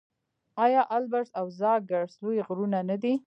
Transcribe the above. آیا البرز او زاگرس لوی غرونه نه دي؟